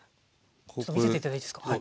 ちょっと見せて頂いていいですか？